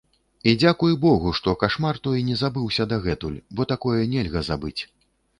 І дзякуй богу, што кашмар той не забыўся дагэтуль, бо такое нельга забыць.